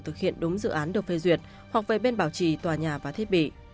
thực hiện đúng dự án được phê duyệt hoặc về bên bảo trì tòa nhà và thiết bị